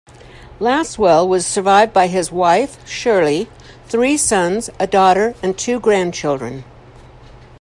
Lasswell was survived by his wife, Shirley, three sons, a daughter and two grandchildren.